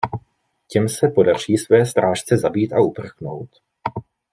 Těm se podaří své strážce zabít a uprchnout.